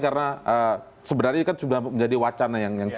karena sebenarnya kan sudah menjadi wacana